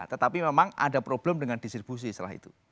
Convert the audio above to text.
tetapi memang ada problem dengan distribusi setelah itu